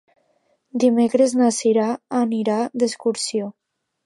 Dimecres na Cira anirà d'excursió.